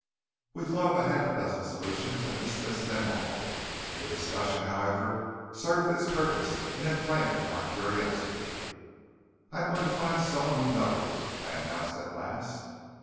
We thought of a half dozen solutions, and dismissed them all. The discussion, however, served its purpose in inflaming our curiosity. "I'm going to find some one who knows," I announced at last.